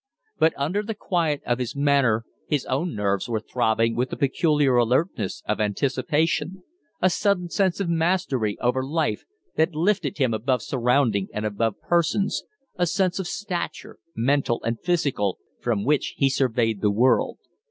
But under the quiet of his manner his own nerves were throbbing with the peculiar alertness of anticipation; a sudden sense of mastery over life, that lifted him above surroundings and above persons a sense of stature, mental and physical, from which he surveyed the world.